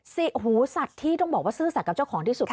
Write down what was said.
หูสัตว์ที่ต้องบอกว่าซื่อสัตว์เจ้าของที่สุด